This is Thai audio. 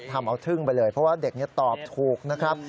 ทำเอาทึ่งไปเลยเพราะว่าเด็กนี้ตอบถูกนะครับ